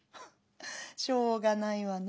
しょうがないわね。